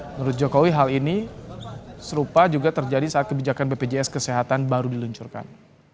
menurut jokowi hal ini serupa juga terjadi saat kebijakan bpjs kesehatan baru diluncurkan